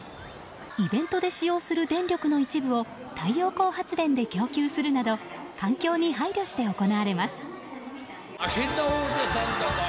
イベントで使用する電力の一部を太陽光発電で供給するなど環境に配慮して行われます。